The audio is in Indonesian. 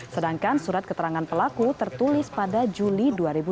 sedangkan surat keterangan pelaku tertulis pada juli dua ribu dua puluh